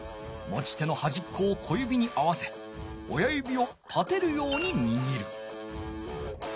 持ち手のはじっこを小指に合わせ親指を立てるようににぎる。